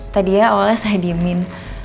tadi ya awalnya saya diemin